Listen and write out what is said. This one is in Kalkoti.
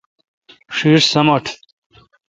ݭیݭ سمٹ۔